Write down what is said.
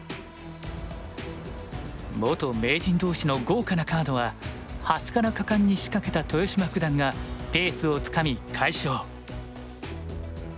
元名人同士の豪華なカードは端から果敢に仕掛けた豊島九段がペースをつかみ快勝。